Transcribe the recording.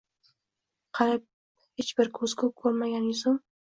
hali hech bir ko’zgu ko’rmagan yuzim.